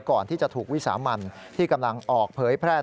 ก่อนที่จะถูกวิสามันที่กำลังออกเผยแพร่